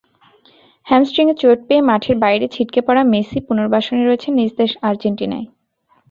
হ্যামস্ট্রিংয়ে চোট পেয়ে মাঠের বাইরে ছিটকে পড়া মেসি পুনর্বাসনে রয়েছেন নিজের দেশ আর্জেন্টিনায়।